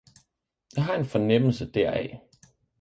Jeg har en fornemmelse deraf.